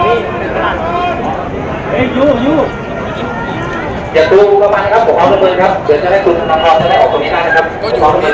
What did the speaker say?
มุมการก็แจ้งแล้วเข้ากลับมานะครับ